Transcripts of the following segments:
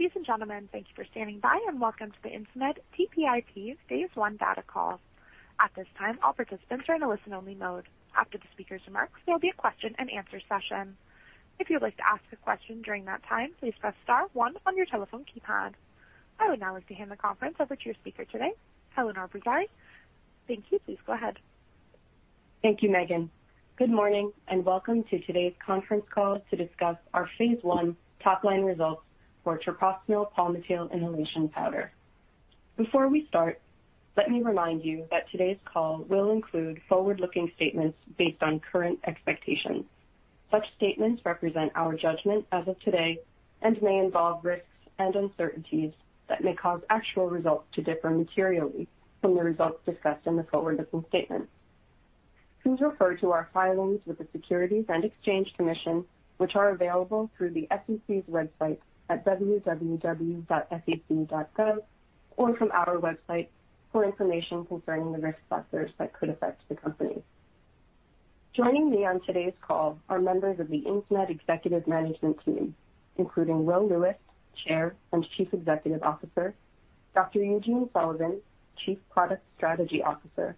Ladies and gentlemen, thank you for standing by and welcome to the Insmed TPIP phase I data call. At this time, all participants are in a listen-only mode. After the speaker's remarks, there will be a question and answer session. If you would like to ask a question during that time, please press star one on your telephone keypad. I would now like to hand the conference over to your speaker today, Eleanor Barisser. Thank you. Please go ahead. Thank you, Megan. Good morning and welcome to today's conference call to discuss our phase I top-line results for treprostinil palmitil inhalation powder. Before we start, let me remind you that today's call will include forward-looking statements based on current expectations. Such statements represent our judgment as of today and may involve risks and uncertainties that may cause actual results to differ materially from the results discussed in the forward-looking statements. Please refer to our filings with the Securities and Exchange Commission, which are available through the sec.gov website or from our website for information concerning the risk factors that could affect the company. Joining me on today's call are members of the Insmed Executive Management Team, including Will Lewis, Chair and Chief Executive Officer, Dr. Eugene Sullivan, Chief Product Strategy Officer,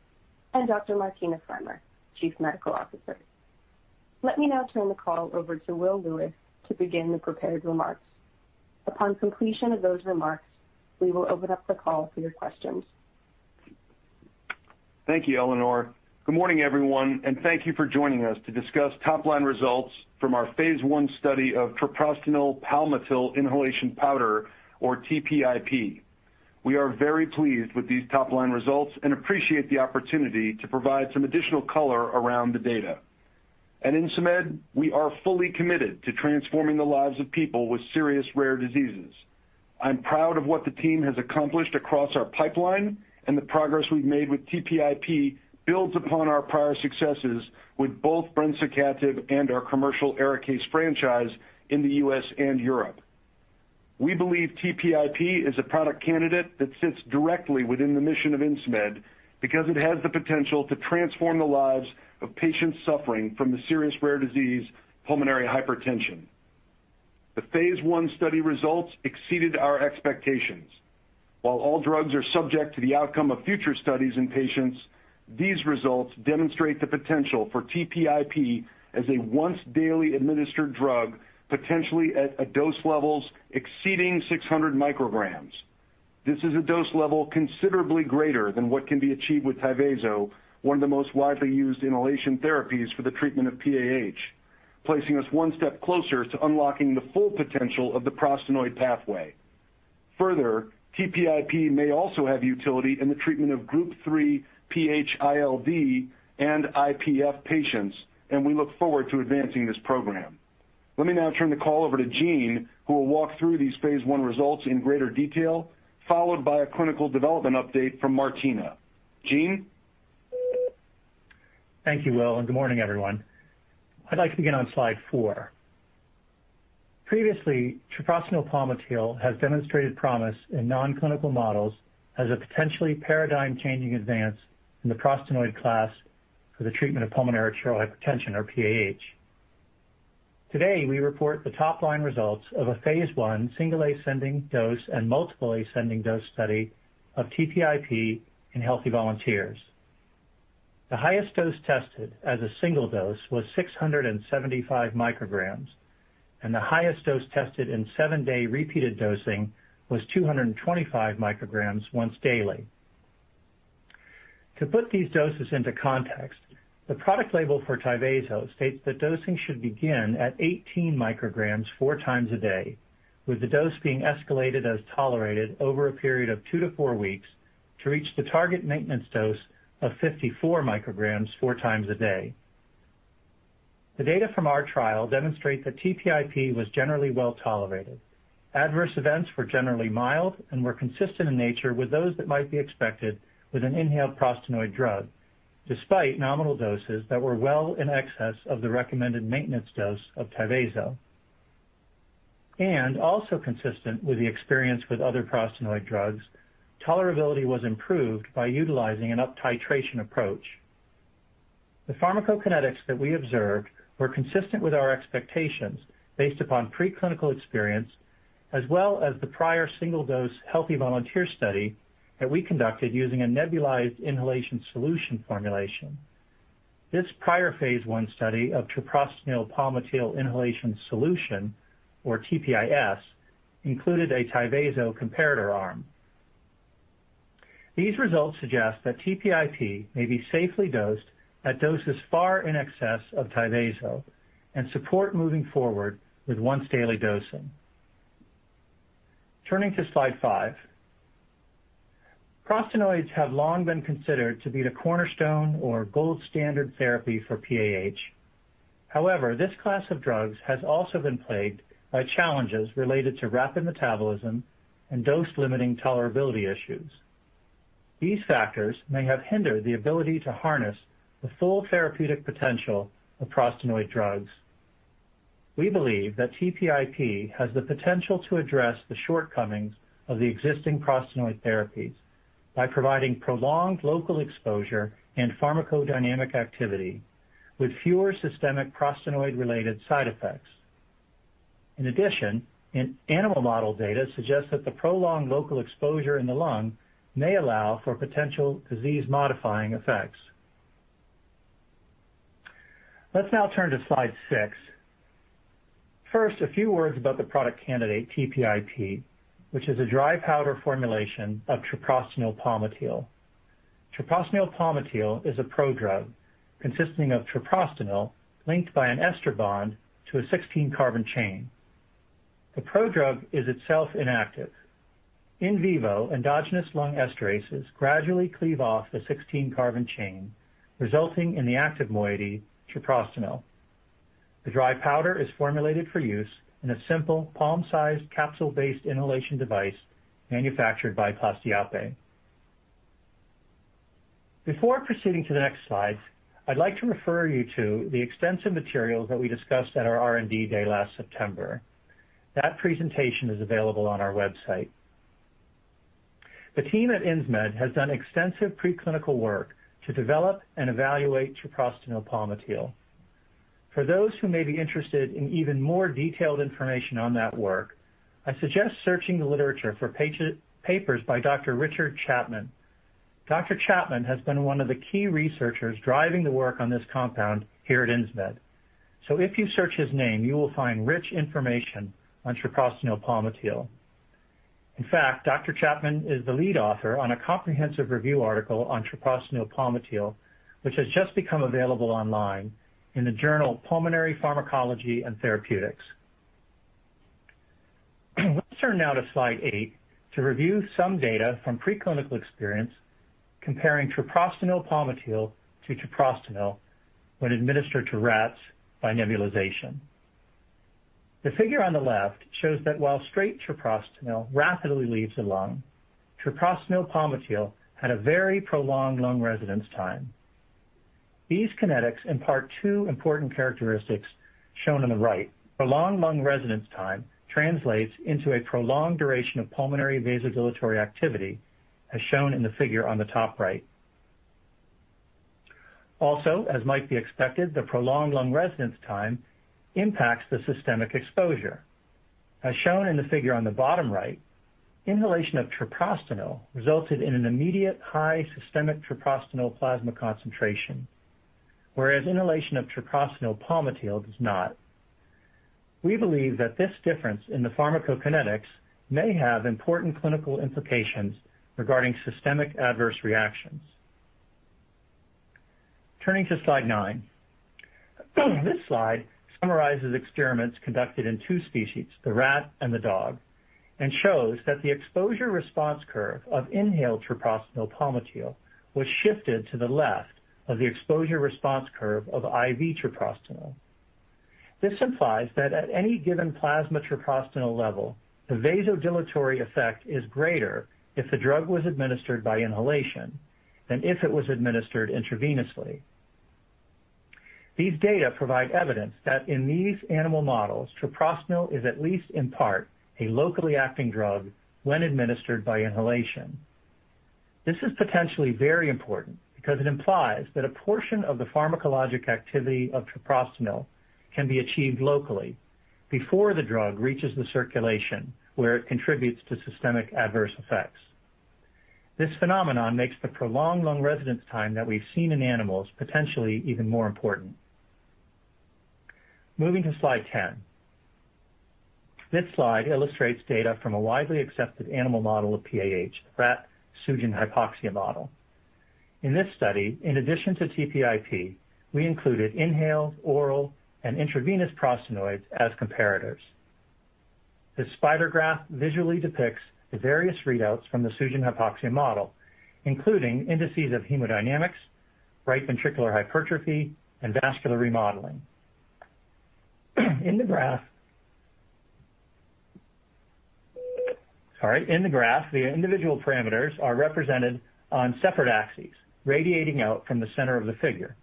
and Dr. Martina Flammer, Chief Medical Officer. Let me now turn the call over to Will Lewis to begin the prepared remarks. Upon completion of those remarks, we will open up the call for your questions. Thank you, Eleanor. Good morning, everyone, and thank you for joining us to discuss top-line results from our phase I study of treprostinil palmitil inhalation powder or TPIP. We are very pleased with these top-line results and appreciate the opportunity to provide some additional color around the data. At Insmed, we are fully committed to transforming the lives of people with serious rare diseases. I'm proud of what the team has accomplished across our pipeline, and the progress we've made with TPIP builds upon our prior successes with both brensocatib and our commercial ARIKAYCE franchise in the U.S. and Europe. We believe TPIP is a product candidate that sits directly within the mission of Insmed because it has the potential to transform the lives of patients suffering from the serious rare disease, pulmonary hypertension. The phase I study results exceeded our expectations. While all drugs are subject to the outcome of future studies in patients, these results demonstrate the potential for TPIP as a once-daily administered drug, potentially at dose levels exceeding 600 mcg. This is a dose level considerably greater than what can be achieved with Tyvaso, one of the most widely used inhalation therapies for the treatment of PAH, placing us one step closer to unlocking the full potential of the prostanoid pathway. TPIP may also have utility in the treatment of Group 3 PH-ILD and IPF patients, and we look forward to advancing this program. Let me now turn the call over to Gene, who will walk through these phase I results in greater detail, followed by a clinical development update from Martina. Gene? Thank you, Will, good morning, everyone. I'd like to begin on slide four. Previously, treprostinil palmitil has demonstrated promise in non-clinical models as a potentially paradigm-changing advance in the prostanoid class for the treatment of pulmonary arterial hypertension or PAH. Today, we report the top-line results of a phase I single ascending dose and multiple ascending dose study of TPIP in healthy volunteers. The highest dose tested as a single dose was 675 mcg, and the highest dose tested in seven-day repeated dosing was 225 mcg once daily. To put these doses into context, the product label for Tyvaso states that dosing should begin at 18 mcg four times a day, with the dose being escalated as tolerated over a period of two to four weeks to reach the target maintenance dose of 54 mcg four times a day. The data from our trial demonstrate that TPIP was generally well-tolerated. Adverse events were generally mild and were consistent in nature with those that might be expected with an inhaled prostanoid drug, despite nominal doses that were well in excess of the recommended maintenance dose of Tyvaso. Also consistent with the experience with other prostanoid drugs, tolerability was improved by utilizing an uptitration approach. The pharmacokinetics that we observed were consistent with our expectations based upon preclinical experience as well as the prior single-dose healthy volunteer study that we conducted using a nebulized inhalation solution formulation. This prior phase I study of treprostinil palmitil inhalation suspension, or TPIS, included a Tyvaso comparator arm. These results suggest that TPIP may be safely dosed at doses far in excess of Tyvaso and support moving forward with once-daily dosing. Turning to slide five. Prostanoids have long been considered to be the cornerstone or gold standard therapy for PAH. However, this class of drugs has also been plagued by challenges related to rapid metabolism and dose-limiting tolerability issues. These factors may have hindered the ability to harness the full therapeutic potential of prostanoid drugs. We believe that TPIP has the potential to address the shortcomings of the existing prostanoid therapies by providing prolonged local exposure and pharmacodynamic activity with fewer systemic prostanoid-related side effects. In addition, animal model data suggests that the prolonged local exposure in the lung may allow for potential disease-modifying effects. Let's now turn to slide six. First, a few words about the product candidate TPIP, which is a dry powder formulation of treprostinil palmitil. Treprostinil palmitil is a prodrug consisting of treprostinil linked by an ester bond to a 16-carbon chain. The prodrug is itself inactive. In vivo, endogenous lung esterases gradually cleave off the 16-carbon chain, resulting in the active moiety, treprostinil. The dry powder is formulated for use in a simple, palm-sized, capsule-based inhalation device manufactured by Plastiape. Before proceeding to the next slide, I'd like to refer you to the extensive materials that we discussed at our R&D day last September. That presentation is available on our website. The team at Insmed has done extensive preclinical work to develop and evaluate treprostinil palmitil. For those who may be interested in even more detailed information on that work, I suggest searching the literature for papers by Dr. Richard Chapman. Dr. Chapman has been one of the key researchers driving the work on this compound here at Insmed. If you search his name, you will find rich information on treprostinil palmitil. In fact, Dr. Chapman is the lead author on a comprehensive review article on treprostinil palmitil, which has just become available online in the journal Pulmonary Pharmacology & Therapeutics. Let's turn now to slide eight to review some data from preclinical experience comparing treprostinil palmitil to treprostinil when administered to rats by nebulization. The figure on the left shows that while straight treprostinil rapidly leaves the lung, treprostinil palmitil had a very prolonged lung residence time. These kinetics impart two important characteristics shown on the right. Prolonged lung residence time translates into a prolonged duration of pulmonary vasodilatory activity, as shown in the figure on the top right. Also, as might be expected, the prolonged lung residence time impacts the systemic exposure. As shown in the figure on the bottom right, inhalation of treprostinil resulted in an immediate high systemic treprostinil plasma concentration. Whereas inhalation of treprostinil palmitil does not. We believe that this difference in the pharmacokinetics may have important clinical implications regarding systemic adverse reactions. Turning to slide nine. This slide summarizes experiments conducted in two species, the rat and the dog, and shows that the exposure response curve of inhaled treprostinil palmitil was shifted to the left of the exposure response curve of IV treprostinil. This implies that at any given plasma treprostinil level, the vasodilatory effect is greater if the drug was administered by inhalation than if it was administered intravenously. These data provide evidence that in these animal models, treprostinil is at least in part a locally acting drug when administered by inhalation. This is potentially very important because it implies that a portion of the pharmacologic activity of treprostinil can be achieved locally before the drug reaches the circulation, where it contributes to systemic adverse effects. This phenomenon makes the prolonged lung residence time that we've seen in animals potentially even more important. Moving to slide 10. This slide illustrates data from a widely accepted animal model of PAH, the rat Sugen/Hypoxia model. In this study, in addition to TPIP, we included inhaled, oral, and intravenous prostanoids as comparators. This spider graph visually depicts the various readouts from the Sugen/Hypoxia model, including indices of hemodynamics, right ventricular hypertrophy, and vascular remodeling. In the graph, the individual parameters are represented on separate axes, radiating out from the center of the figure.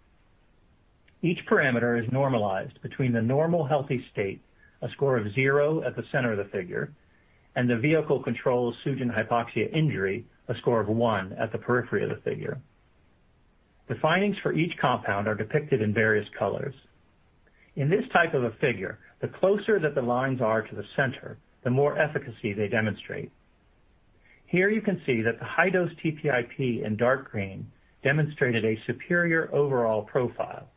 Each parameter is normalized between the normal healthy state, a score of zero at the center of the figure, and the vehicle control Sugen/Hypoxia injury, a score of one at the periphery of the figure. The findings for each compound are depicted in various colors. In this type of a figure, the closer that the lines are to the center, the more efficacy they demonstrate. Here you can see that the high-dose TPIP in dark green demonstrated a superior overall profile.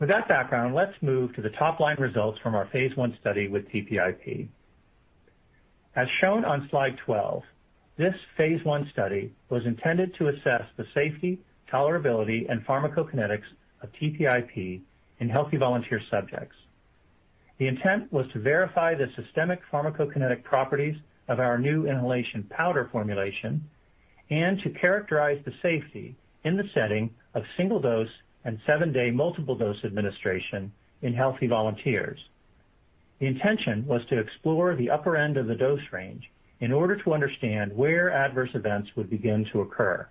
With that background, let's move to the top-line results from our phase I study with TPIP. As shown on slide 12, this phase I study was intended to assess the safety, tolerability, and pharmacokinetics of TPIP in healthy volunteer subjects. The intent was to verify the systemic pharmacokinetic properties of our new inhalation powder formulation and to characterize the safety in the setting of single-dose and seven-day multiple-dose administration in healthy volunteers. The intention was to explore the upper end of the dose range in order to understand where adverse events would begin to occur.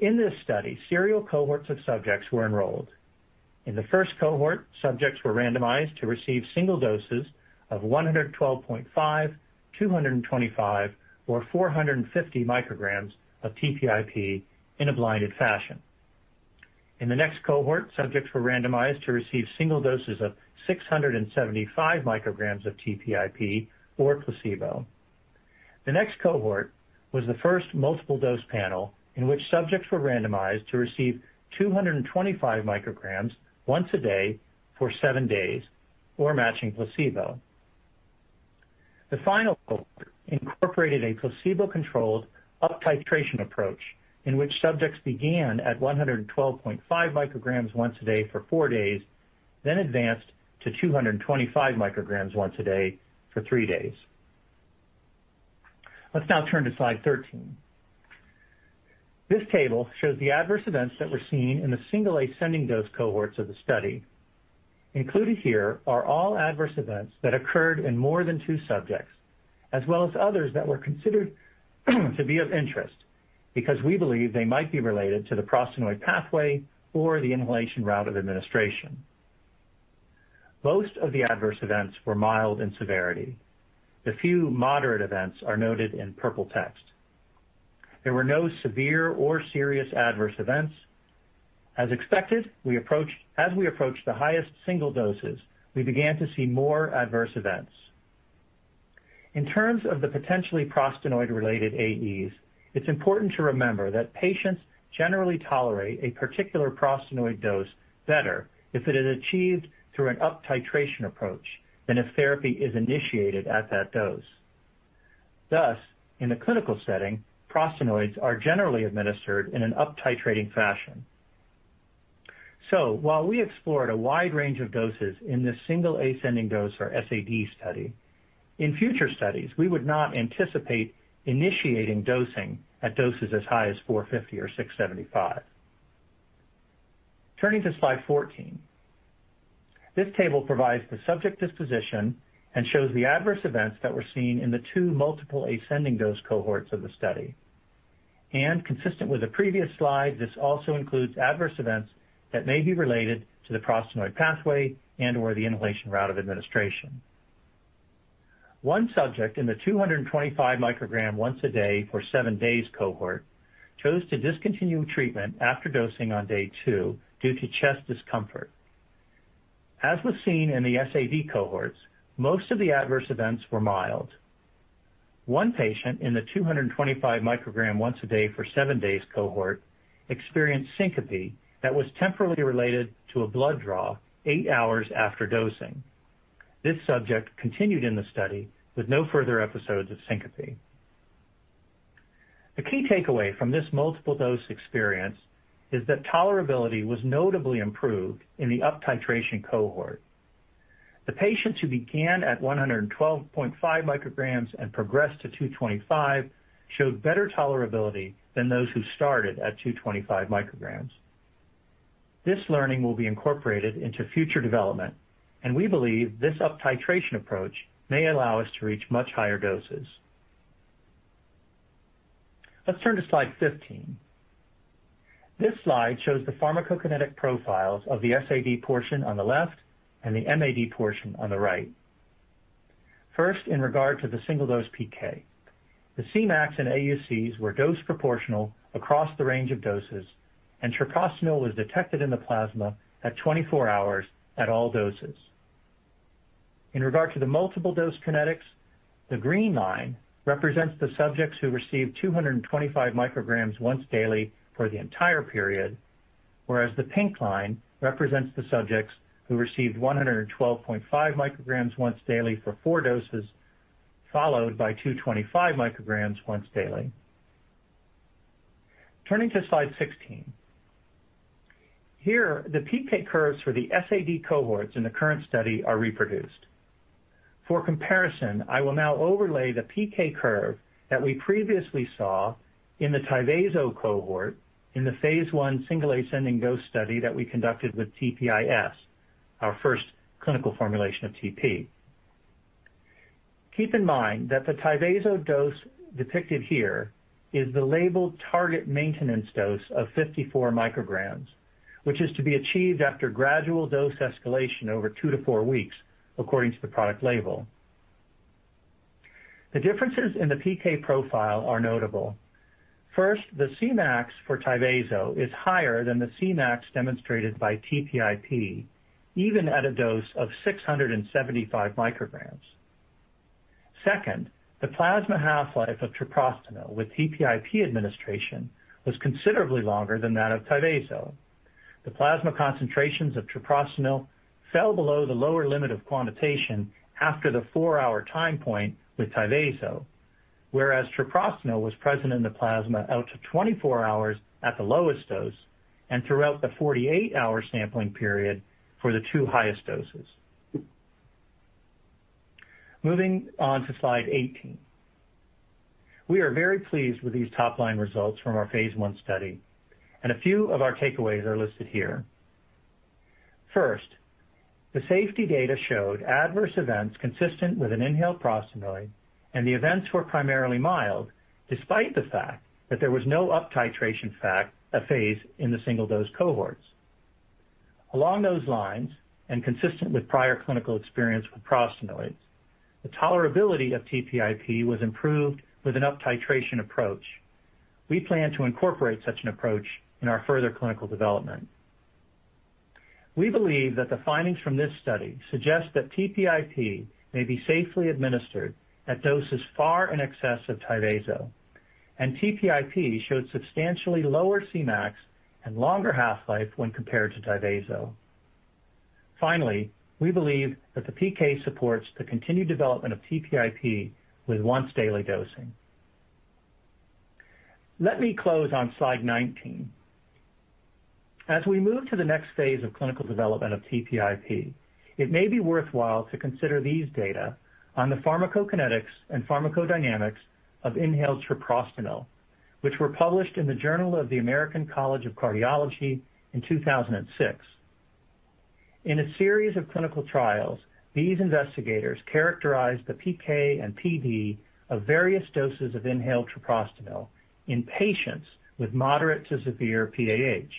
In this study, serial cohorts of subjects were enrolled. In the first cohort, subjects were randomized to receive single doses of 112.5 mcg, 225 mcg or 450 mcg of TPIP in a blinded fashion. In the next cohort, subjects were randomized to receive single doses of 675 mcg of TPIP or placebo. The next cohort was the first multiple dose panel in which subjects were randomized to receive 225 mcg once a day for seven days or matching placebo. The final cohort incorporated a placebo-controlled up titration approach, in which subjects began at 112.5 mcg once a day for four days, then advanced to 225 mcg once a day for three days. Let's now turn to slide 13. This table shows the adverse events that were seen in the single ascending dose cohorts of the study. Included here are all adverse events that occurred in more than two subjects, as well as others that were considered to be of interest because we believe they might be related to the prostanoid pathway or the inhalation route of administration. Most of the adverse events were mild in severity. The few moderate events are noted in purple text. There were no severe or serious adverse events. As we approach the highest single doses, we began to see more adverse events. In terms of the potentially prostanoid-related AEs, it's important to remember that patients generally tolerate a particular prostanoid dose better if it is achieved through an up titration approach than if therapy is initiated at that dose. Thus, in a clinical setting, prostanoids are generally administered in an up titrating fashion. While we explored a wide range of doses in this single ascending dose or SAD study, in future studies, we would not anticipate initiating dosing at doses as high as 450 mcg or 675 mcg. Turning to slide 14. This table provides the subject disposition and shows the adverse events that were seen in the two multiple ascending dose cohorts of the study. Consistent with the previous slide, this also includes adverse events that may be related to the prostanoid pathway and/or the inhalation route of administration. One subject in the 225 mcg once a day for seven days cohort chose to discontinue treatment after dosing on day two due to chest discomfort. As was seen in the SAD cohorts, most of the adverse events were mild. One patient in the 225 mcg once a day for seven days cohort experienced syncope that was temporally related to a blood draw eight hours after dosing. This subject continued in the study with no further episodes of syncope. The key takeaway from this multiple dose experience is that tolerability was notably improved in the up titration cohort. The patients who began at 112.5 mcg and progressed to 225 mcg showed better tolerability than those who started at 225 mcg. This learning will be incorporated into future development. We believe this up titration approach may allow us to reach much higher doses. Let's turn to slide 15. This slide shows the pharmacokinetic profiles of the SAD portion on the left and the MAD portion on the right. First, in regard to the single dose PK, the Cmax and AUCs were dose proportional across the range of doses, and treprostinil was detected in the plasma at 24 hours at all doses. In regard to the multiple dose kinetics, the green line represents the subjects who received 225 mcg once daily for the entire period, whereas the pink line represents the subjects who received 112.5 mcg once daily for four doses, followed by 225 mcg once daily. Turning to slide 16. Here, the PK curves for the SAD cohorts in the current study are reproduced. For comparison, I will now overlay the PK curve that we previously saw in the Tyvaso cohort in the phase I single ascending dose study that we conducted with TPIS, our first clinical formulation of TP. Keep in mind that the Tyvaso dose depicted here is the labeled target maintenance dose of 54 mcg, which is to be achieved after gradual dose escalation over two to four weeks, according to the product label. The differences in the Cmax profile are notable. First, the Cmax for Tyvaso is higher than the Cmax demonstrated by TPIP, even at a dose of 675 mcg. Second, the plasma half-life of treprostinil with TPIP administration was considerably longer than that of Tyvaso. The plasma concentrations of treprostinil fell below the lower limit of quantitation after the four-hour time point with Tyvaso. Treprostinil was present in the plasma out to 24 hours at the lowest dose and throughout the 48-hour sampling period for the two highest doses. Moving on to slide 18. We are very pleased with these top-line results from our phase I study and a few of our takeaways are listed here. First, the safety data showed adverse events consistent with an inhaled prostanoid, and the events were primarily mild, despite the fact that there was no uptitration phase in the single-dose cohorts. Along those lines, and consistent with prior clinical experience with prostanoids, the tolerability of TPIP was improved with an uptitration approach. We plan to incorporate such an approach in our further clinical development. We believe that the findings from this study suggest that TPIP may be safely administered at doses far in excess of Tyvaso, and TPIP showed substantially lower Cmax and longer half-life when compared to Tyvaso. Finally, we believe that the PK supports the continued development of TPIP with once daily dosing. Let me close on slide 19. As we move to the next phase of clinical development of TPIP, it may be worthwhile to consider these data on the pharmacokinetics and pharmacodynamics of inhaled treprostinil, which were published in the Journal of the American College of Cardiology in 2006. In a series of clinical trials, these investigators characterized the PK and PD of various doses of inhaled treprostinil in patients with moderate to severe PAH.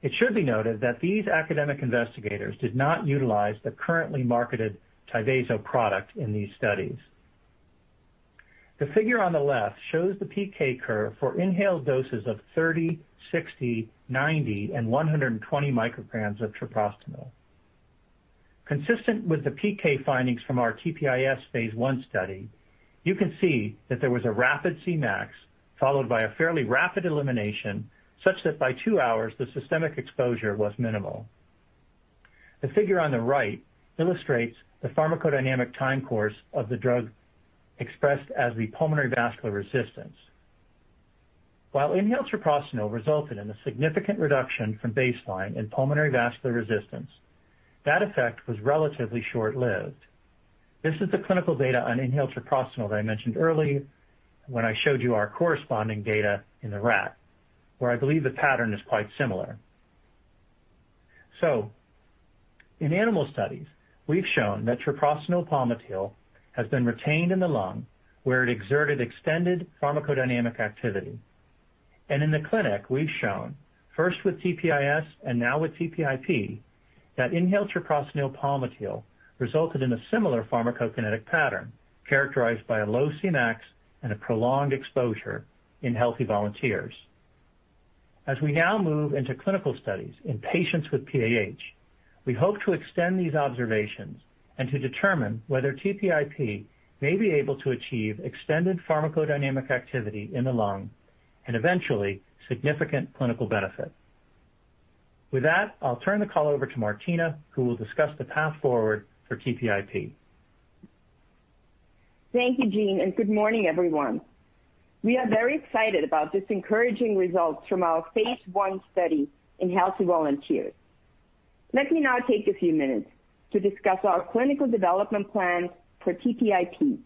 It should be noted that these academic investigators did not utilize the currently marketed Tyvaso product in these studies. The figure on the left shows the PK curve for inhaled doses of 30 mcg, 60 mcg, 90 mcg, and 120 mcg of treprostinil. Consistent with the PK findings from our TPIS phase I study, you can see that there was a rapid Cmax, followed by a fairly rapid elimination, such that by two hours, the systemic exposure was minimal. The figure on the right illustrates the pharmacodynamic time course of the drug expressed as the pulmonary vascular resistance. While inhaled treprostinil resulted in a significant reduction from baseline in pulmonary vascular resistance, that effect was relatively short-lived. This is the clinical data on inhaled treprostinil that I mentioned earlier when I showed you our corresponding data in the rat, where I believe the pattern is quite similar. In animal studies, we've shown that treprostinil palmitil has been retained in the lung, where it exerted extended pharmacodynamic activity. In the clinic, we've shown, first with TPIS, and now with TPIP, that inhaled treprostinil palmitil resulted in a similar pharmacokinetic pattern, characterized by a low Cmax and a prolonged exposure in healthy volunteers. As we now move into clinical studies in patients with PAH, we hope to extend these observations and to determine whether TPIP may be able to achieve extended pharmacodynamic activity in the lung, and eventually, significant clinical benefit. With that, I'll turn the call over to Martina, who will discuss the path forward for TPIP. Thank you, Gene, and good morning, everyone. We are very excited about this encouraging result from our phase I study in healthy volunteers. Let me now take a few minutes to discuss our clinical development plan for TPIP,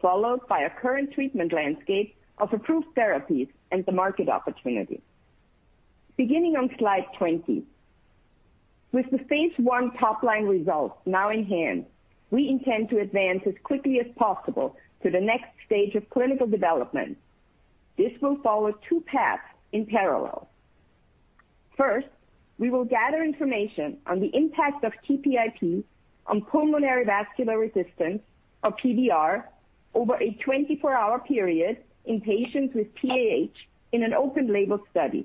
followed by a current treatment landscape of approved therapies and the market opportunity. Beginning on slide 20. With the phase I top-line results now in hand, we intend to advance as quickly as possible to the next stage of clinical development. This will follow two paths in parallel. First, we will gather information on the impact of TPIP on pulmonary vascular resistance, or PVR, over a 24-hour period in patients with PAH in an open-label study.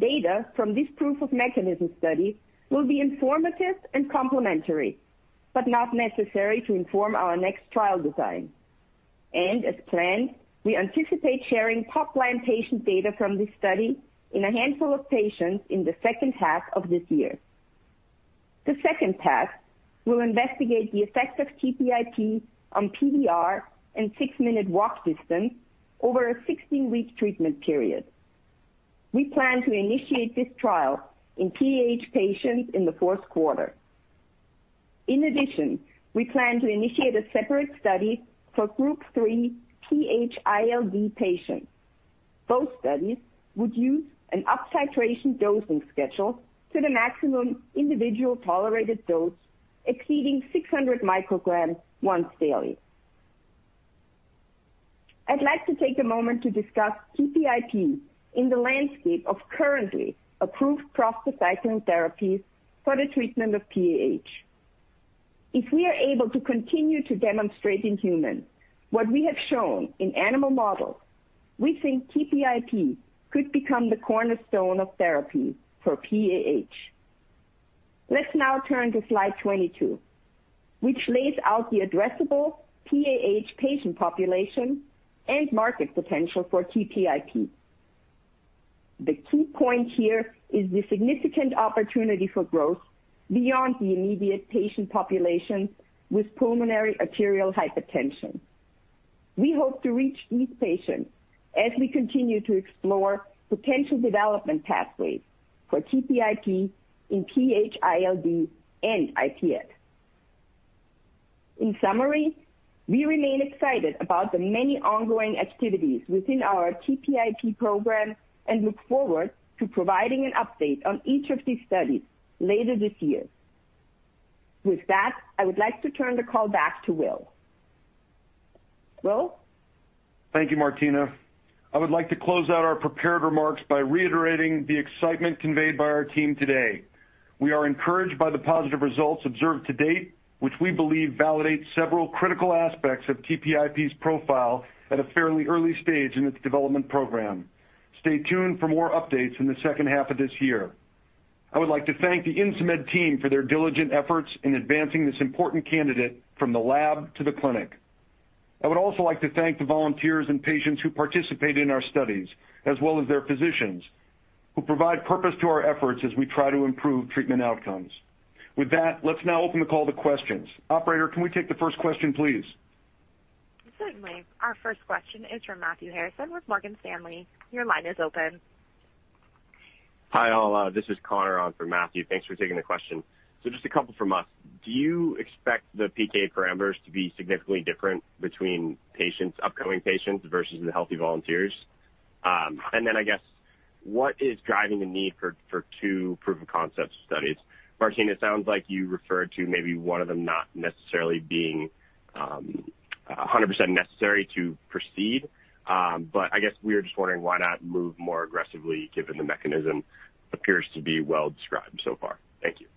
Data from this proof of mechanism study will be informative and complementary, but not necessary to inform our next trial design. As planned, we anticipate sharing top-line patient data from this study in a handful of patients in the second half of this year. The second path will investigate the effect of TPIP on PVR and six-minute walk distance over a 16-week treatment period. We plan to initiate this trial in PAH patients in the fourth quarter. In addition, we plan to initiate a separate study for Group 3 PH-ILD patients. Both studies would use an uptitration dosing schedule to the maximum individual tolerated dose exceeding 600 mcg once daily. I'd like to take a moment to discuss TPIP in the landscape of currently approved prostacyclin therapies for the treatment of PAH. If we are able to continue to demonstrate in humans what we have shown in animal models, we think TPIP could become the cornerstone of therapy for PAH. Let's now turn to slide 22, which lays out the addressable PAH patient population and market potential for TPIP. The key point here is the significant opportunity for growth beyond the immediate patient population with pulmonary arterial hypertension. We hope to reach these patients as we continue to explore potential development pathways for TPIP in PH-ILD and IPF. In summary, we remain excited about the many ongoing activities within our TPIP program and look forward to providing an update on each of these studies later this year. With that, I would like to turn the call back to Will. Will? Thank you, Martina. I would like to close out our prepared remarks by reiterating the excitement conveyed by our team today. We are encouraged by the positive results observed to date, which we believe validate several critical aspects of TPIP's profile at a fairly early stage in its development program. Stay tuned for more updates in the second half of this year. I would like to thank the Insmed team for their diligent efforts in advancing this important candidate from the lab to the clinic. I would also like to thank the volunteers and patients who participate in our studies, as well as their physicians, who provide purpose to our efforts as we try to improve treatment outcomes. With that, let's now open the call to questions. Operator, can we take the first question, please? Certainly. Our first question is from Matthew Harrison with Morgan Stanley. Your line is open. Hi, all. This is Connor on for Matthew. Thanks for taking the question. Just a couple from us. Do you expect the PK parameters to be significantly different between upcoming patients versus the healthy volunteers? I guess, what is driving the need for two proof-of-concept studies? Martina, it sounds like you referred to maybe one of them not necessarily being 100% necessary to proceed. I guess we are just wondering why not move more aggressively given the mechanism appears to be well-described so far. Thank you.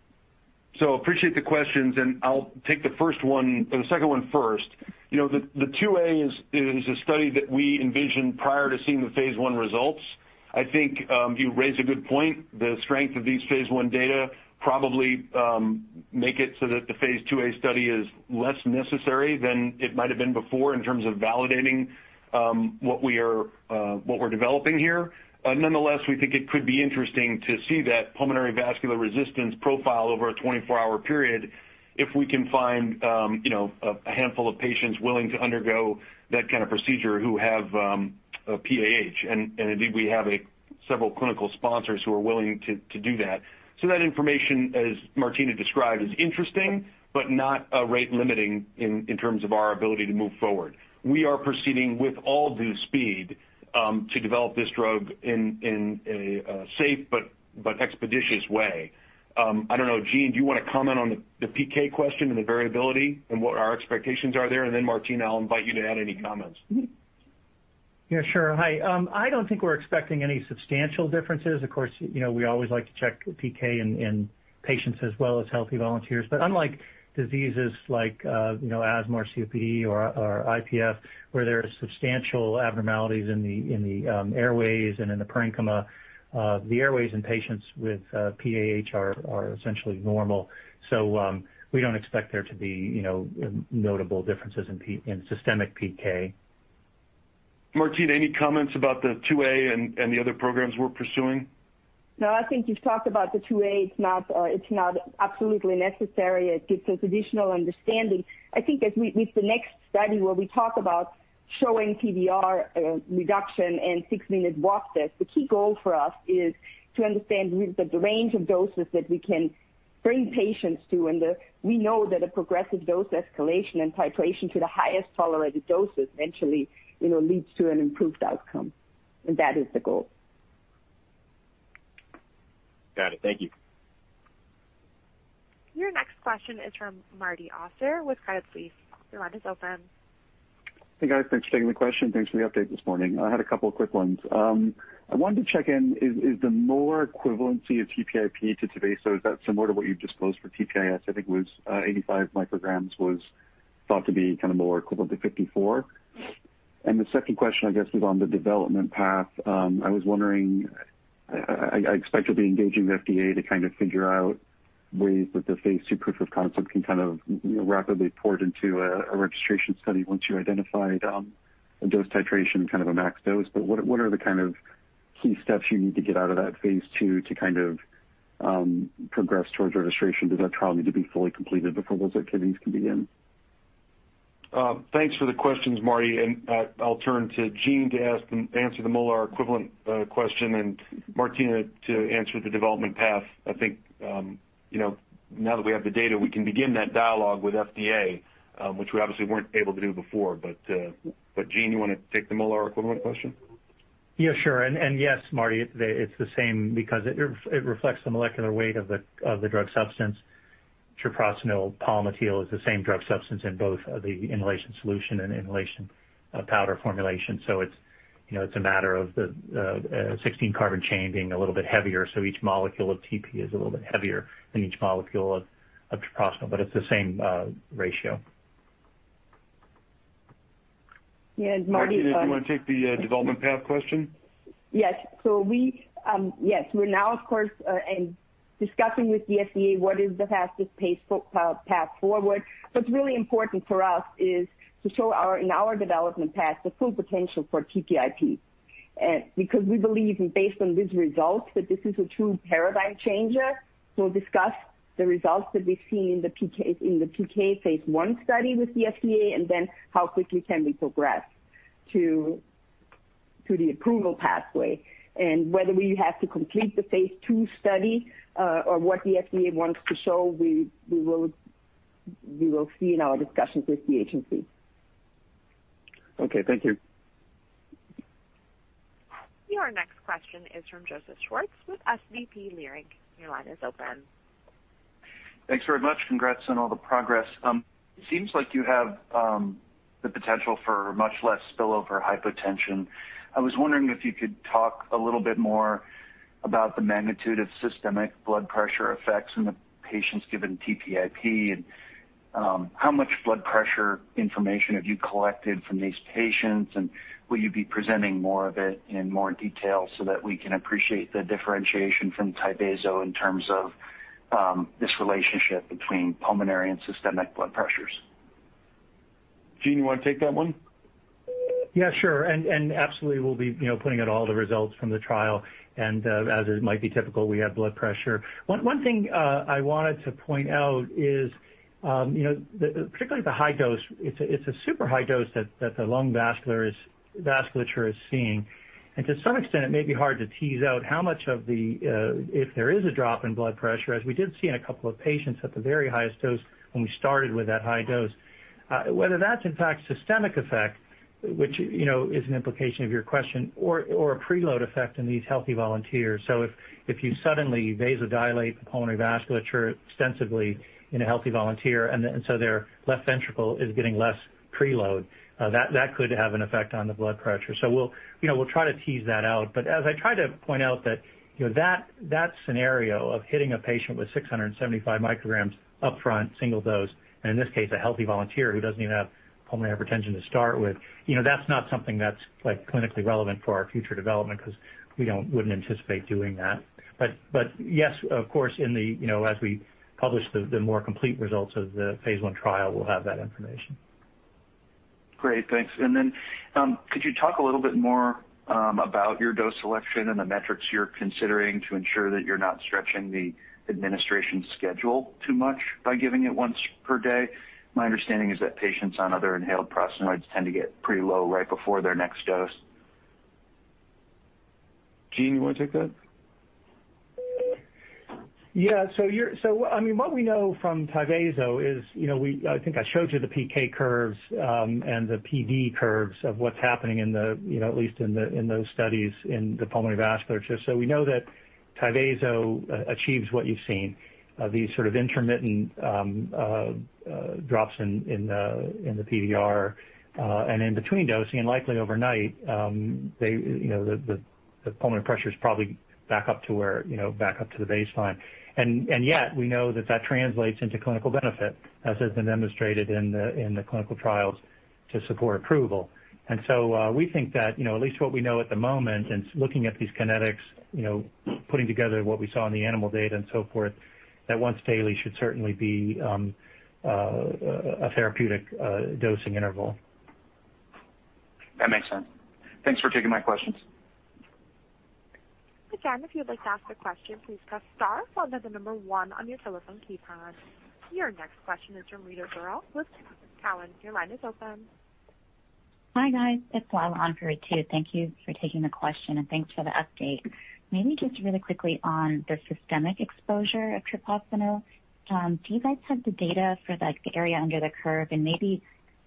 Appreciate the questions, and I'll take the second one first. The phase II-A is a study that we envisioned prior to seeing the phase I results. I think you raise a good point. The strength of these phase I data probably make it so that the phase II-A study is less necessary than it might've been before in terms of validating what we're developing here. Nonetheless, we think it could be interesting to see that pulmonary vascular resistance profile over a 24-hour period if we can find a handful of patients willing to undergo that kind of procedure who have PAH. Indeed, we have several clinical sponsors who are willing to do that. That information, as Martina described, is interesting, but not rate limiting in terms of our ability to move forward. We are proceeding with all due speed to develop this drug in a safe but expeditious way. I don't know, Gene, do you want to comment on the PK question and the variability and what our expectations are there? Then Martina, I'll invite you to add any comments. Yeah, sure. Hi. I don't think we're expecting any substantial differences. Of course, we always like to check PK in patients as well as healthy volunteers. Unlike diseases like asthma or COPD or IPF, where there are substantial abnormalities in the airways and in the parenchyma, the airways in patients with PAH are essentially normal. We don't expect there to be notable differences in systemic PK. Martina, any comments about the phase II-A and the other programs we're pursuing? No, I think you've talked about the phase II-A. It's not absolutely necessary. It gives us additional understanding. I think as with the next study where we talk about showing PVR reduction and six-minute walk test, the key goal for us is to understand the range of doses that we can bring patients to and we know that a progressive dose escalation and titration to the highest tolerated doses eventually leads to an improved outcome. That is the goal. Got it. Thank you. Your next question is from Marty Auster with Credit Suisse. Your line is open. Hey, guys. Thanks for taking the question. Thanks for the update this morning. I had a couple of quick ones. I wanted to check in, is the molar equivalency of TPIP to Tyvaso, is that similar to what you've disclosed for TPIS? I think it was 85 mcg was thought to be kind of molar equivalent to 54. The second question, I guess, is on the development path. I was wondering, I expect you'll be engaging the FDA to kind of figure out ways that the phase II proof of concept can kind of rapidly port into a registration study once you identify a dose titration, kind of a max dose. What are the kind of key steps you need to get out of that phase II to kind of progress towards registration? Does that trial need to be fully completed before those activities can begin? Thanks for the questions, Marty, and I'll turn to Gene to answer the molar equivalent question and Martina to answer the development path. I think now that we have the data, we can begin that dialogue with FDA, which we obviously weren't able to do before. Gene, you want to take the molar equivalent question? Yeah, sure. Yes, Marty, it's the same because it reflects the molecular weight of the drug substance. treprostinil palmitil is the same drug substance in both the inhalation suspension and inhalation powder formulation. It's a matter of the 16 carbon chain being a little bit heavier, so each molecule of TP is a little bit heavier than each molecule of treprostinil, but it's the same ratio. Yeah, Marty. Martina, do you want to take the development path question? Yes. We're now, of course, discussing with the FDA what is the fastest path forward. What's really important for us is to show in our development path the full potential for TPIP. Because we believe based on these results, that this is a true paradigm changer. We'll discuss the results that we've seen in the PK phase I study with the FDA, and then how quickly can we progress to the approval pathway and whether we have to complete the phase II study, or what the FDA wants to show, we will see in our discussions with the agency. Okay. Thank you. Your next question is from Joseph Schwartz with Leerink Partners. Your line is open. Thanks very much. Congrats on all the progress. It seems like you have the potential for much less spillover hypotension. I was wondering if you could talk a little bit more about the magnitude of systemic blood pressure effects in the patients given TPIP, and how much blood pressure information have you collected from these patients, and will you be presenting more of it in more detail so that we can appreciate the differentiation from Tyvaso in terms of this relationship between pulmonary and systemic blood pressures? Gene, you want to take that one? Yeah, sure. Absolutely, we'll be putting out all the results from the trial, and as it might be typical, we have blood pressure. One thing I wanted to point out is that particularly the high dose, it's a super high dose that the lung vasculature is seeing. To some extent, it may be hard to tease out how much of the if there is a drop in blood pressure, as we did see in a couple of patients at the very highest dose when we started with that high dose. Whether that's in fact systemic effect, which is an implication of your question, or a preload effect in these healthy volunteers. If you suddenly vasodilate the pulmonary vasculature extensively in a healthy volunteer, their left ventricle is getting less preload, that could have an effect on the blood pressure. We'll try to tease that out. As I try to point out that scenario of hitting a patient with 675 mcg upfront, single dose, and in this case, a healthy volunteer who doesn't even have pulmonary hypertension to start with, that's not something that's clinically relevant for our future development because we wouldn't anticipate doing that. Yes, of course, as we publish the more complete results of the phase I trial, we'll have that information. Great. Thanks. Could you talk a little bit more about your dose selection and the metrics you're considering to ensure that you're not stretching the administration schedule too much by giving it once per day? My understanding is that patients on other inhaled prostanoids tend to get pretty low right before their next dose. Gene, you want to take that? What we know from Tyvaso is, I think I showed you the PK curves, and the PD curves of what's happening at least in those studies in the pulmonary vasculature. We know that Tyvaso achieves what you've seen, these sort of intermittent drops in the PVR, and in between dosing and likely overnight, the pulmonary pressure's probably back up to the baseline. We know that translates into clinical benefit, as has been demonstrated in the clinical trials to support approval. We think that, at least what we know at the moment and looking at these kinetics, putting together what we saw in the animal data and so forth, that once daily should certainly be a therapeutic dosing interval. That makes sense. Thanks for taking my questions. Again, if you'd like to ask a question, please press star followed by the number one on your telephone keypad. Your next question is from Ritu Baral with TD Cowen. Your line is open. Hi, guys. It's Lila on for Ritu. Thank you for taking the question, and thanks for the update. Maybe just really quickly on the systemic exposure of treprostinil. Do you guys have the data for the area under the curve? Maybe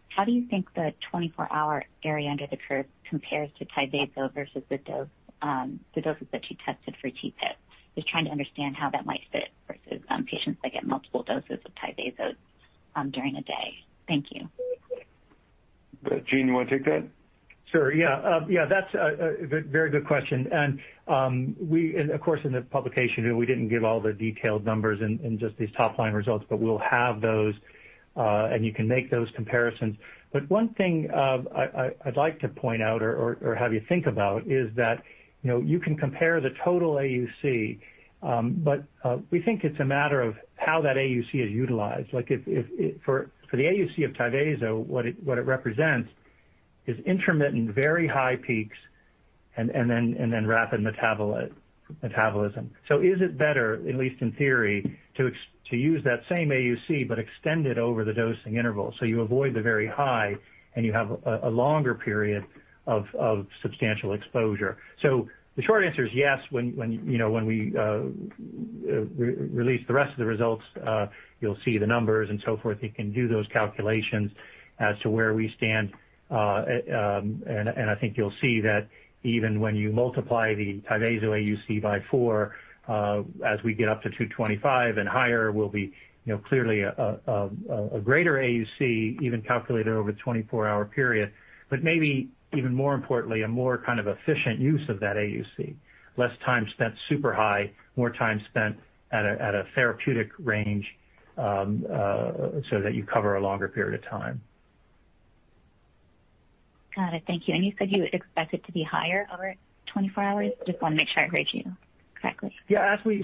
how do you think the 24-hour area under the curve compares to Tyvaso versus the doses that you tested for TPIP? Just trying to understand how that might fit versus patients that get multiple doses of Tyvaso during a day. Thank you. Gene, you want to take that? Sure. Yeah. That's a very good question. Of course, in the publication, we didn't give all the detailed numbers in just these top-line results, but we'll have those, and you can make those comparisons. One thing I'd like to point out or have you think about is that you can compare the total AUC, but we think it's a matter of how that AUC is utilized. For the AUC of Tyvaso, what it represents is intermittent very high peaks and then rapid metabolism. Is it better, at least in theory, to use that same AUC but extend it over the dosing interval so you avoid the very high and you have a longer period of substantial exposure. The short answer is yes. When we release the rest of the results, you'll see the numbers and so forth. You can do those calculations as to where we stand. I think you'll see that even when you multiply the Tyvaso AUC by four as we get up to 225 and higher, we'll be clearly a greater AUC even calculated over a 24-hour period, but maybe even more importantly, a more kind of efficient use of that AUC. Less time spent super high, more time spent at a therapeutic range, so that you cover a longer period of time. Got it. Thank you. You said you would expect it to be higher over 24 hours? Just want to make sure I heard you correctly. Yeah. We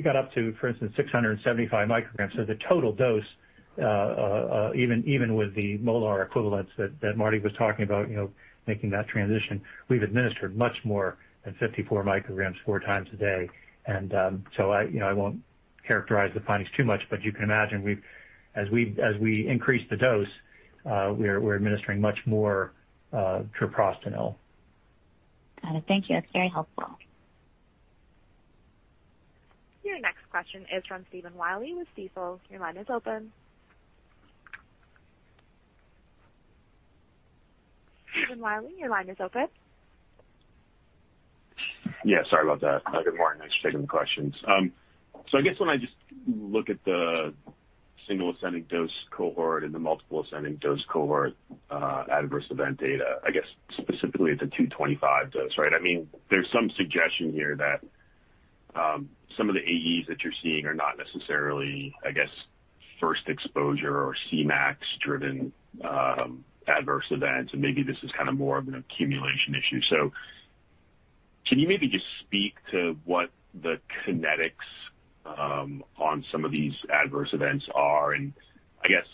got up to, for instance, 675 mcg. The total dose, even with the molar equivalents that Marty was talking about, making that transition, we've administered much more than 54 mcg four times a day. Characterize the findings too much, but you can imagine as we increase the dose, we're administering much more treprostinil. Got it. Thank you. That's very helpful. Your next question is from Stephen Willey with Stifel. Your line is open. Stephen Willey, your line is open. Sorry about that. Good morning. Thanks for taking the questions. I guess when I just look at the single ascending dose cohort and the multiple ascending dose cohort adverse event data, I guess specifically at the 225 dose, right? There's some suggestion here that some of the AEs that you're seeing are not necessarily, I guess, first exposure or Cmax-driven adverse events, and maybe this is more of an accumulation issue. Can you maybe just speak to what the kinetics on some of these adverse events are? I guess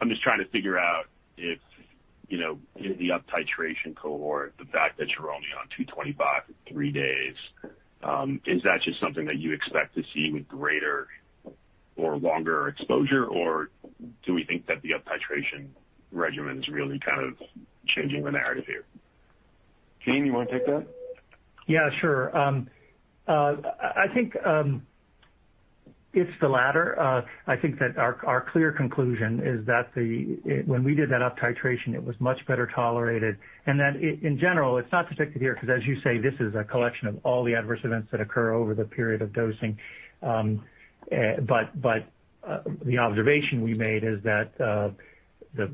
I'm just trying to figure out if in the uptitration cohort, the fact that you're only on 225 for three days, is that just something that you expect to see with greater or longer exposure, or do we think that the uptitration regimen is really kind of changing the narrative here? Gene, you want to take that? Sure. I think it's the latter. I think that our clear conclusion is that when we did that uptitration, it was much better tolerated and that in general, it's not depicted here because, as you say, this is a collection of all the adverse events that occur over the period of dosing. The observation we made is that the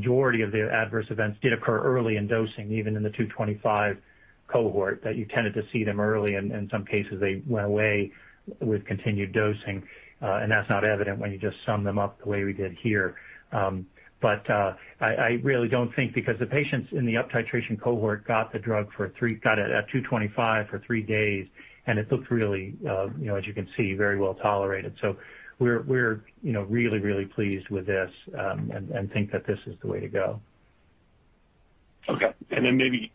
majority of the adverse events did occur early in dosing, even in the 225 cohort, that you tended to see them early, and in some cases, they went away with continued dosing. That's not evident when you just sum them up the way we did here. I really don't think because the patients in the uptitration cohort got the drug at 225 for three days, and it looked really, as you can see, very well tolerated. We're really pleased with this and think that this is the way to go. Okay, maybe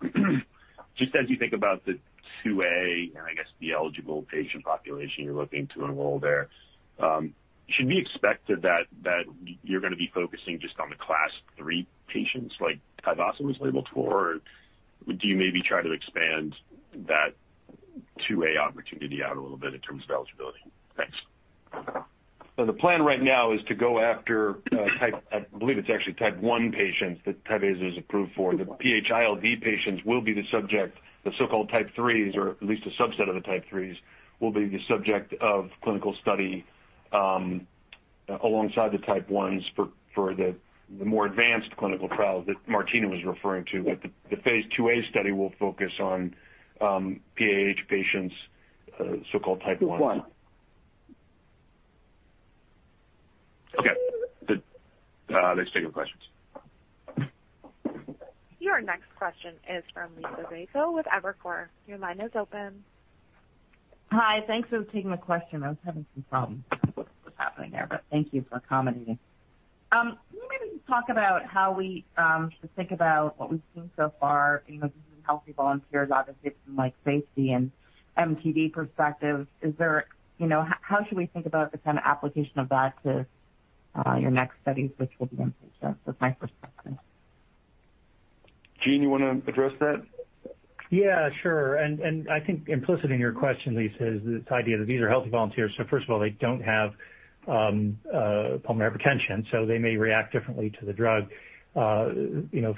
just as you think about the phase II-A, and I guess the eligible patient population you're looking to enroll there, should we expect that you're going to be focusing just on the Class III patients like Tyvaso was labeled for, or do you maybe try to expand that phase II-A opportunity out a little bit in terms of eligibility? Thanks. The plan right now is to go after, I believe it's actually type 1 patients that Tyvaso is approved for. The PH-ILD patients will be the subject, the so-called type 3's, or at least a subset of the type 3's, will be the subject of clinical study alongside the type 1's for the more advanced clinical trials that Martina was referring to. The phase II-A study will focus on PAH patients, so-called type 1's. Type 1. Okay. Thanks for taking the questions. Your next question is from Liisa Bayko with Evercore. Your line is open. Hi. Thanks for taking the question. I was having some problems with what was happening there, but thank you for accommodating. Can you maybe just talk about how we should think about what we've seen so far, this is healthy volunteers, obviously, from safety and MTD perspective. How should we think about the kind of application of that to your next studies, which will be in patients? That's my first question. Gene, you want to address that? Yeah, sure, I think implicit in your question, Liisa, is this idea that these are healthy volunteers, so first of all, they don't have pulmonary hypertension, so they may react differently to the drug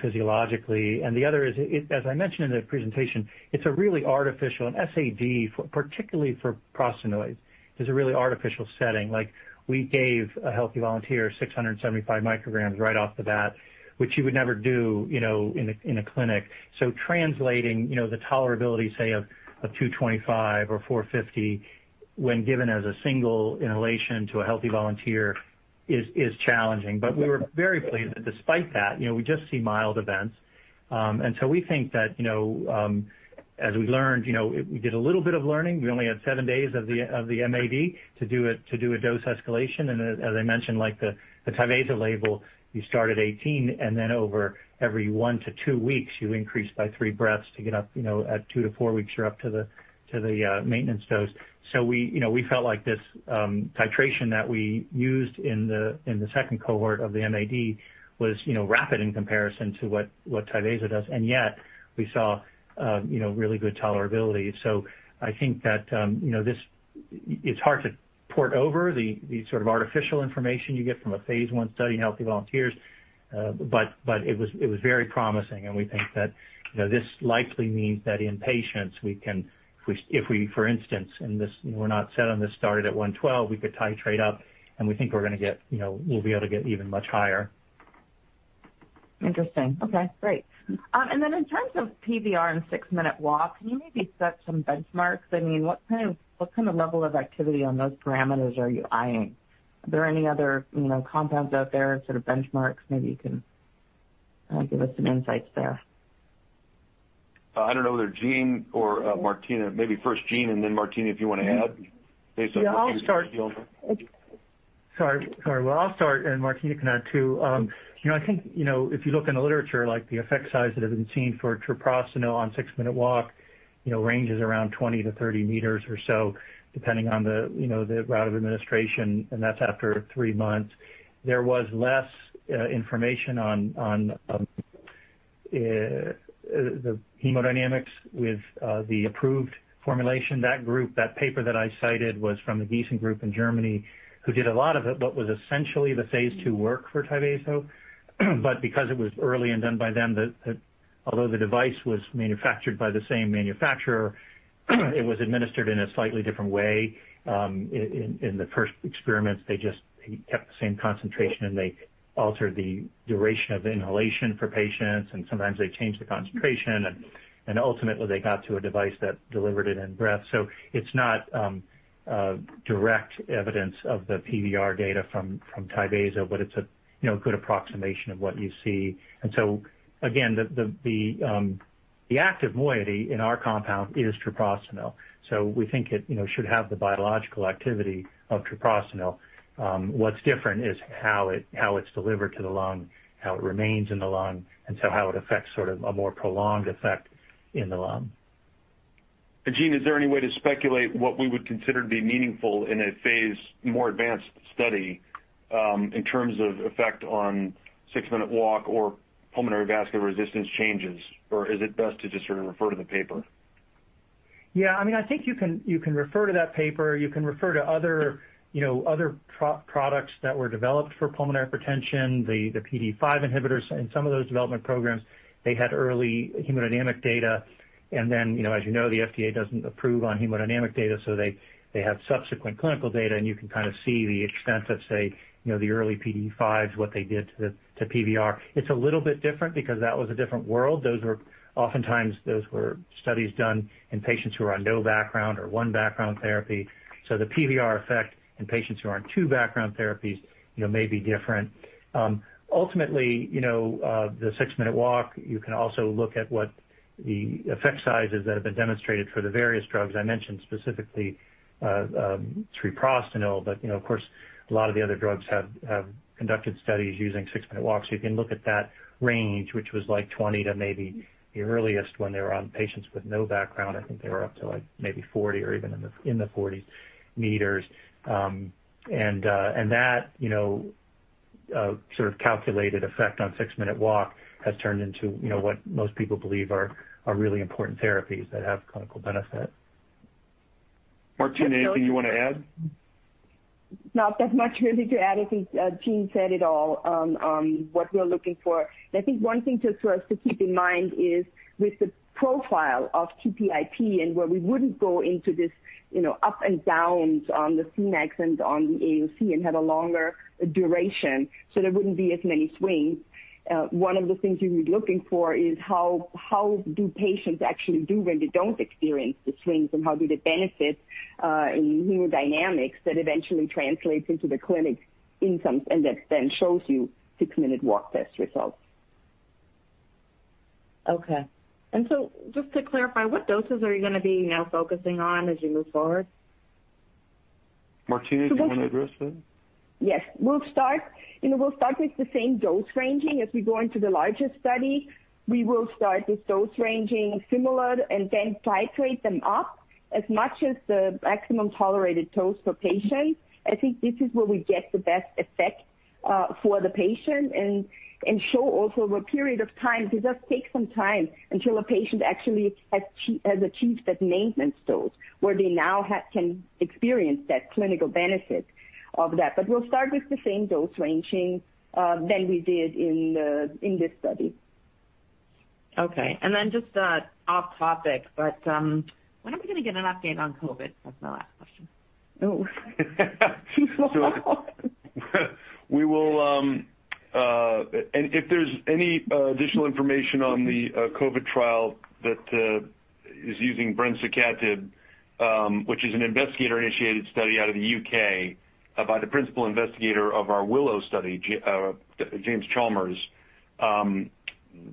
physiologically. The other is, as I mentioned in the presentation, it's a really artificial, an SAD, particularly for prostanoids, is a really artificial setting. We gave a healthy volunteer 675 mcg right off the bat, which you would never do in a clinic. Translating the tolerability, say, of 225 or 450 when given as a single inhalation to a healthy volunteer is challenging. We were very pleased that despite that, we just see mild events. We think that as we learned, we did a little bit of learning. We only had seven days of the MAD to do a dose escalation, and as I mentioned, like the Tyvaso label, you start at 18 and then over every one to two weeks, you increase by three breaths to get up at two to four weeks, you're up to the maintenance dose. We felt like this titration that we used in the second cohort of the MAD was rapid in comparison to what Tyvaso does, and yet we saw really good tolerability. I think that it's hard to port over the sort of artificial information you get from a phase I study in healthy volunteers. It was very promising, and we think that this likely means that in patients, if we, for instance, and we're not set on this, started at 112, we could titrate up, and we think we'll be able to get even much higher. Interesting. Okay, great. In terms of PVR and six-minute walk, can you maybe set some benchmarks? What kind of level of activity on those parameters are you eyeing? Are there any other compounds out there, sort of benchmarks, maybe you can give us some insights there? I don't know whether Gene or Martina, maybe first Gene and then Martina, if you want to add. Sorry. Well, I'll start, and Martina can add too. I think, if you look in the literature, the effect size that has been seen for treprostinil on six-minute walk ranges around 20 m to 30 m or so, depending on the route of administration, and that's after three months. There was less information on the hemodynamics with the approved formulation. That group, that paper that I cited was from the Giessen group in Germany, who did a lot of it, what was essentially the phase II work for Tyvaso. Because it was early and done by them, although the device was manufactured by the same manufacturer, it was administered in a slightly different way. In the first experiments, they just kept the same concentration, and they altered the duration of inhalation for patients, and sometimes they changed the concentration, and ultimately they got to a device that delivered it in breath. It's not direct evidence of the PVR data from Tyvaso, but it's a good approximation of what you see. Again, the active moiety in our compound is treprostinil. We think it should have the biological activity of treprostinil. What's different is how it's delivered to the lung, how it remains in the lung, how it affects sort of a more prolonged effect in the lung. Gene, is there any way to speculate what we would consider to be meaningful in a phase, more advanced study, in terms of effect on six-minute walk or pulmonary vascular resistance changes? Or is it best to just sort of refer to the paper? Yeah, I think you can refer to that paper. You can refer to other products that were developed for pulmonary hypertension, the PDE5 inhibitors. In some of those development programs, they had early hemodynamic data, and then, as you know, the FDA doesn't approve on hemodynamic data, so they have subsequent clinical data, and you can kind of see the extent of, say, the early PDE5s, what they did to PVR. It's a little bit different because that was a different world. Oftentimes those were studies done in patients who are on no background or one background therapy. The PVR effect in patients who are on two background therapies may be different. Ultimately, the six-minute walk, you can also look at what the effect size is that have been demonstrated for the various drugs. I mentioned specifically treprostinil, but you know, of course, a lot of the other drugs have conducted studies using six-minute walks. You can look at that range, which was like 20 to maybe the earliest when they were on patients with no background, I think they were up to maybe 40 or even in the 40 m. That sort of calculated effect on six-minute walk has turned into what most people believe are really important therapies that have clinical benefit. Martina, anything you want to add? Not that much really to add. I think Gene said it all on what we're looking for. I think one thing to sort of to keep in mind is with the profile of TPIP and where we wouldn't go into this up and downs on the Cmax and on the AUC and have a longer duration, so there wouldn't be as many swings. One of the things you'd be looking for is how do patients actually do when they don't experience the swings, and how do they benefit in hemodynamics that eventually translates into the clinic incomes and that then shows you six-minute walk test results. Okay. Just to clarify, what doses are you going to be now focusing on as you move forward? Martina, do you want to address that? Yes. We'll start with the same dose ranging as we go into the larger study. We will start with dose ranging similar and then titrate them up as much as the maximum tolerated dose for patients. I think this is where we get the best effect for the patient and show also over a period of time, because it does take some time until a patient actually has achieved that maintenance dose, where they now can experience that clinical benefit of that. We'll start with the same dose ranging than we did in this study. Okay, just off topic, when are we going to get an update on COVID? That's my last question. Oh. If there's any additional information on the COVID trial that is using brensocatib, which is an investigator-initiated study out of the U.K. by the principal investigator of our WILLOW study, James Chalmers.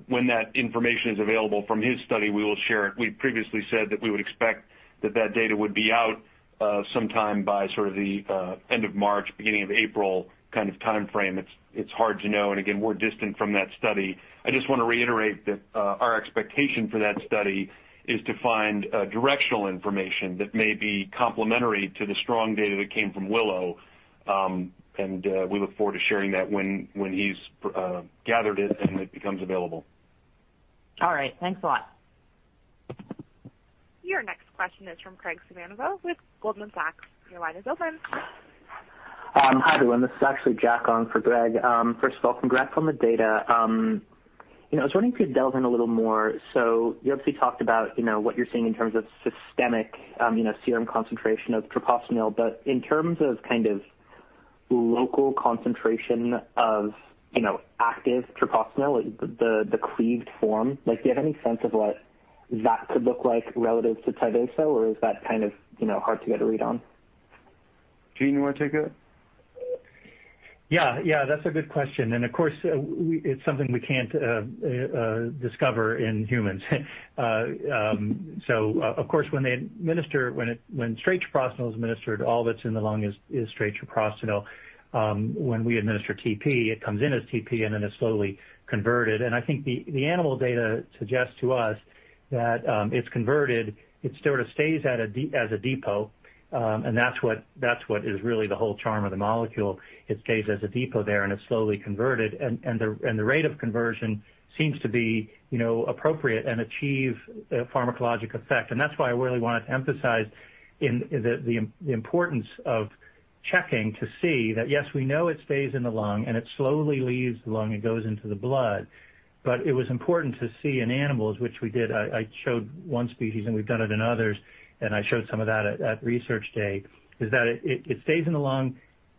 When that information is available from his study, we will share it. We previously said that we would expect that that data would be out sometime by sort of the end of March, beginning of April kind of timeframe. It's hard to know. Again, we're distant from that study. I just want to reiterate that our expectation for that study is to find directional information that may be complementary to the strong data that came from WILLOW. We look forward to sharing that when he's gathered it and it becomes available. All right. Thanks a lot. Your next question is from Graig Suvannavejh with Goldman Sachs. Your line is open. Hi, everyone. This is actually Jack on for Graig. First of all, congrats on the data. I was wondering if you could delve in a little more. You obviously talked about what you're seeing in terms of systemic serum concentration of treprostinil, but in terms of kind of local concentration of active treprostinil, the cleaved form, do you have any sense of what that could look like relative to Tyvaso, or is that kind of hard to get a read on? Gene, you want to take it? Yeah. That's a good question. Of course, it's something we can't discover in humans. Of course, when straight treprostinil is administered, all that's in the lung is straight treprostinil. When we administer TP, it comes in as TP and then is slowly converted. I think the animal data suggests to us that it's converted, it sort of stays as a depot, and that's what is really the whole charm of the molecule. It stays as a depot there, and it's slowly converted, and the rate of conversion seems to be appropriate and achieve a pharmacologic effect. That's why I really wanted to emphasize the importance of checking to see that, yes, we know it stays in the lung, and it slowly leaves the lung and goes into the blood. It was important to see in animals, which we did, I showed one species, and we've done it in others, and I showed some of that at Research Day, is that it stays in the lung,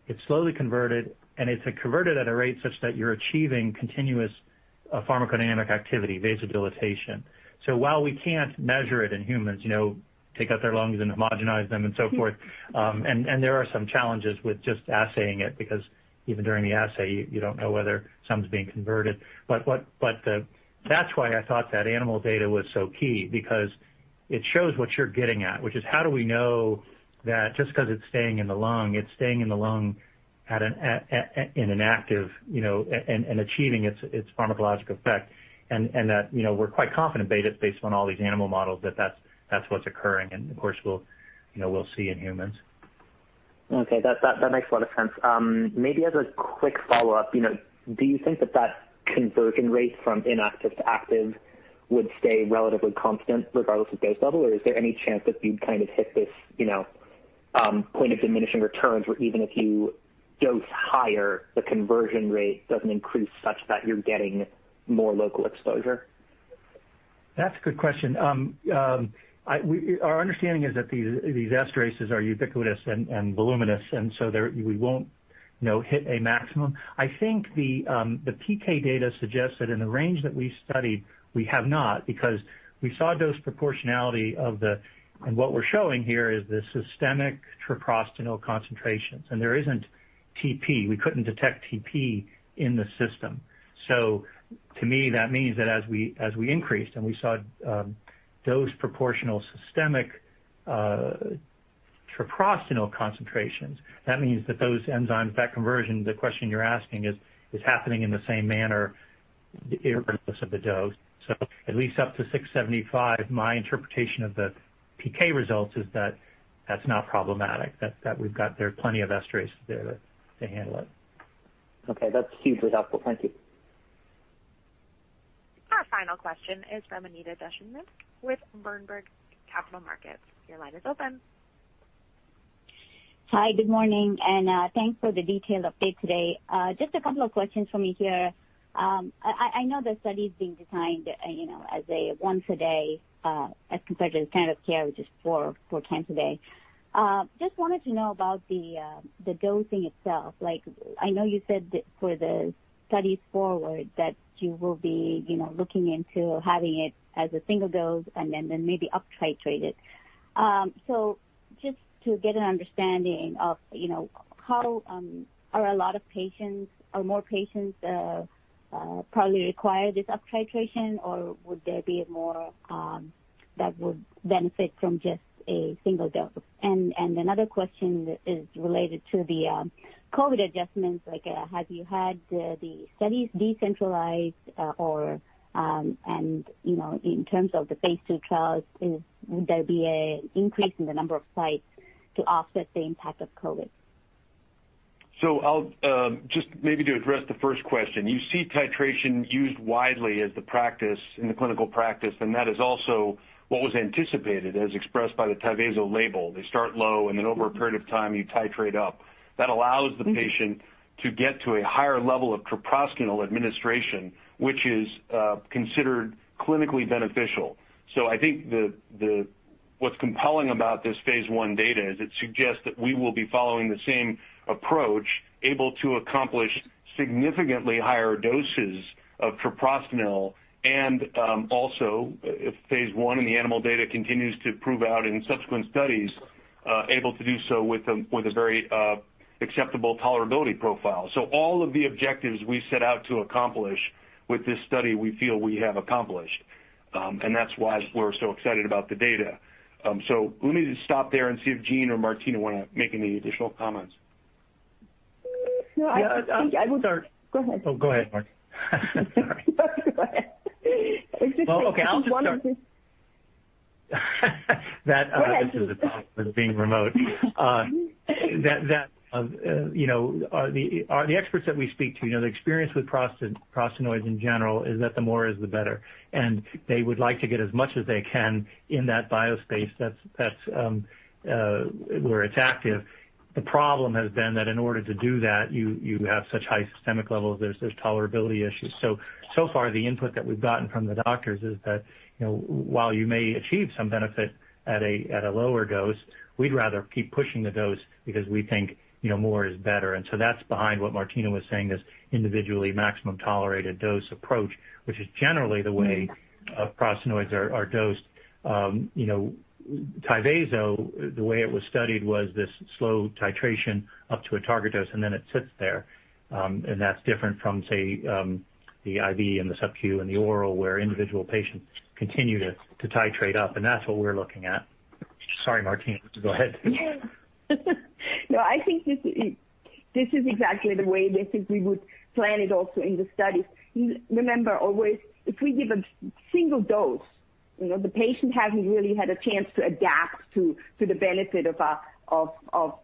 it's slowly converted, and it's converted at a rate such that you're achieving continuous pharmacodynamic activity, vasodilation. While we can't measure it in humans, take out their lungs and homogenize them and so forth. There are some challenges with just assaying it, because even during the assay, you don't know whether something's being converted. That's why I thought that animal data was so key, because it shows what you're getting at, which is how do we know that just because it's staying in the lung, it's staying in the lung in an active, and achieving its pharmacologic effect. That we're quite confident based on all these animal models that that's what's occurring, and of course, we'll see in humans. That makes a lot of sense. Maybe as a quick follow-up, do you think that that conversion rate from inactive to active would stay relatively constant regardless of dose level, or is there any chance that you'd kind of hit this point of diminishing returns, where even if you dose higher, the conversion rate doesn't increase such that you're getting more local exposure? That's a good question. Our understanding is that these esterases are ubiquitous and voluminous, so we won't hit a maximum. I think the PK data suggests that in the range that we studied, we have not, because we saw dose proportionality. What we're showing here is the systemic treprostinil concentrations, and there isn't TP. We couldn't detect TP in the system. To me, that means that as we increased and we saw dose proportional systemic treprostinil concentrations, that means that those enzymes, that conversion, the question you're asking is happening in the same manner irrespective of the dose. At least up to 675, my interpretation of the PK results is that that's not problematic, that there are plenty of esterases there to handle it. Okay. That's hugely helpful. Thank you. Our final question is from Anita Dushyanth with Berenberg Capital Markets. Hi, good morning, and thanks for the detailed update today. Just a couple of questions from me here. I know the study's being designed as a once a day as compared to the standard of care, which is four times a day. Just wanted to know about the dosing itself. I know you said that for the studies forward, that you will be looking into having it as a single dose and then maybe up titrate it. Just to get an understanding of how are a lot of patients or more patients probably require this uptitration, or would there be more that would benefit from just a single dose? Another question is related to the COVID adjustments. Have you had the studies decentralized and in terms of the phase II trials, would there be an increase in the number of sites to offset the impact of COVID? I'll just maybe to address the first question. You see titration used widely as the practice in the clinical practice, and that is also what was anticipated as expressed by the Tyvaso label. They start low, and then over a period of time, you titrate up. That allows the patient to get to a higher level of treprostinil administration, which is considered clinically beneficial. I think what's compelling about this phase I data is it suggests that we will be following the same approach, able to accomplish significantly higher doses of treprostinil and also, if phase I and the animal data continues to prove out in subsequent studies, able to do so with a very acceptable tolerability profile. All of the objectives we set out to accomplish with this study, we feel we have accomplished. That's why we're so excited about the data. Let me just stop there and see if Gene or Martina want to make any additional comments. No, I just think. Yeah. I'll start. Go ahead. Oh, go ahead, Martina. Sorry. No, go ahead. Well, okay. I'll just start. One of the. This is the problem with being remote. The experts that we speak to, the experience with prostanoids in general is that the more is the better, they would like to get as much as they can in that biophase where it's active. The problem has been that in order to do that, you have such high systemic levels, there's tolerability issues. So far, the input that we've gotten from the doctors is that while you may achieve some benefit at a lower dose, we'd rather keep pushing the dose because we think more is better. That's behind what Martina was saying, this individually maximum tolerated dose approach, which is generally the way prostanoids are dosed. Tyvaso, the way it was studied was this slow titration up to a target dose, then it sits there. That's different from, say, the IV and the subcu and the oral, where individual patients continue to titrate up. That's what we're looking at. Sorry, Martina. Go ahead. No, I think this is exactly the way we would plan it also in the studies. Remember, always, if we give a single dose, the patient hasn't really had a chance to adapt to the benefit of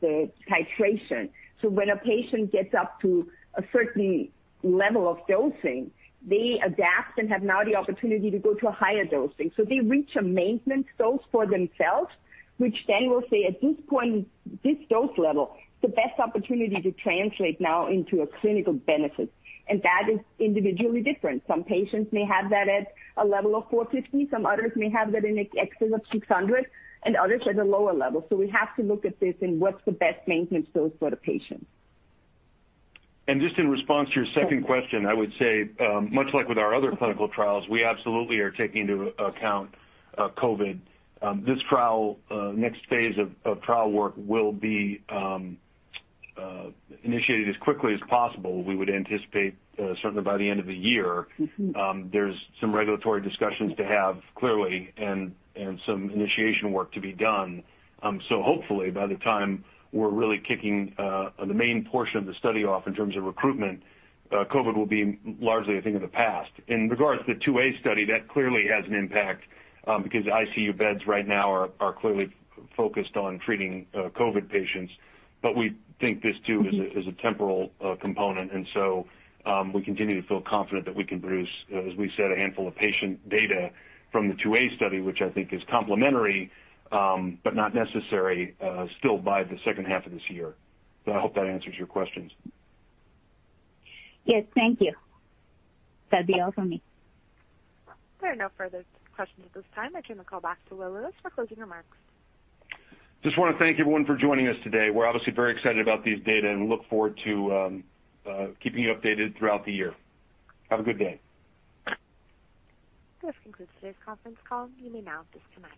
the titration. When a patient gets up to a certain level of dosing, they adapt and have now the opportunity to go to a higher dosing. They reach a maintenance dose for themselves, which then we'll say at this dose level, the best opportunity to translate now into a clinical benefit. That is individually different. Some patients may have that at a level of 450, some others may have that in excess of 600, and others at a lower level. We have to look at this and what's the best maintenance dose for the patient. Just in response to your second question, I would say, much like with our other clinical trials, we absolutely are taking into account COVID. This next phase of trial work will be initiated as quickly as possible. We would anticipate certainly by the end of the year. There's some regulatory discussions to have, clearly, and some initiation work to be done. Hopefully by the time we're really kicking the main portion of the study off in terms of recruitment, COVID will be largely a thing of the past. In regards to the phase II-A study, that clearly has an impact because ICU beds right now are clearly focused on treating COVID patients. We think this too is a temporal component, we continue to feel confident that we can produce, as we said, a handful of patient data from the II-A study, which I think is complementary but not necessary still by the second half of this year. I hope that answers your questions. Yes, thank you. That's all from me. There are no further questions at this time. I turn the call back to Will Lewis for closing remarks. Just want to thank everyone for joining us today. We're obviously very excited about these data, and we look forward to keeping you updated throughout the year. Have a good day. This concludes today's conference call. You may now disconnect.